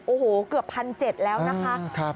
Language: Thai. โอ้โหเกือบ๑๗๐๐แล้วนะคะ